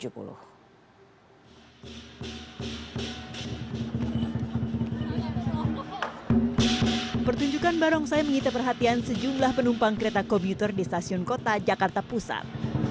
pertunjukan barongsai mengita perhatian sejumlah penumpang kereta komuter di stasiun kota jakarta pusat